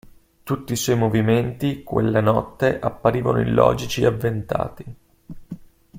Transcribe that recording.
Tutti i suoi movimenti, quella notte, apparivano illogici e avventati.